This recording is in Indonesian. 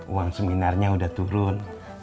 uang seminarnya udah turun